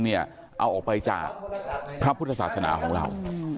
เอาออกไปจากพระพุทธศาสนาของเรา